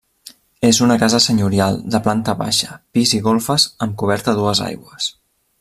És una casa Senyorial de planta baixa, pis i golfes amb coberta a dues aigües.